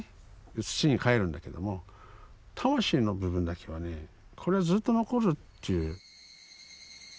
土にかえるんだけども魂の部分だけはねこれはずっと残るという。